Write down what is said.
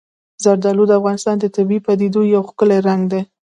زردالو د افغانستان د طبیعي پدیدو یو ښکلی رنګ دی.